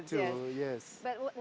tapi saya juga merasakan bahwa